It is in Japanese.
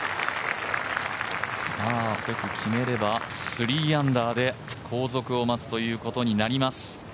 ペク、決めれば３アンダーで後続を待つということになります。